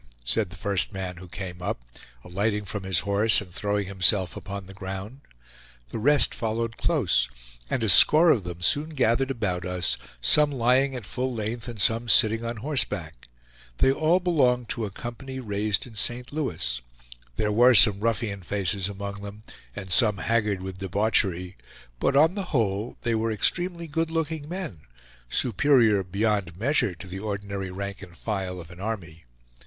said the first who came up, alighting from his horse and throwing himself upon the ground. The rest followed close, and a score of them soon gathered about us, some lying at full length and some sitting on horseback. They all belonged to a company raised in St. Louis. There were some ruffian faces among them, and some haggard with debauchery; but on the whole they were extremely good looking men, superior beyond measure to the ordinary rank and file of an army.